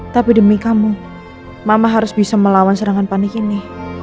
tapi demi kamu mama harus bisa melawan serangan panik ini